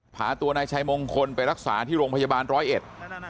พาตัวนายชายมงคลไปรักษาที่โรงพยาบาลร้อยเอ็ด